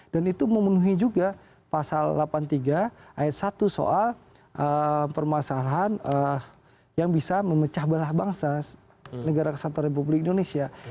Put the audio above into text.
dan itu memenuhi juga pasal delapan tiga ayat satu soal permasalahan yang bisa memecah belah bangsa negara kesatuan republik indonesia